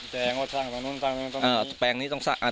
แจงอดสร้างตรงนู้นตรงนู้นตรงนี้อ่าแปลงนี้ต้องสร้างอ่า